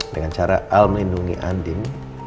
dengan cara al melindungi andin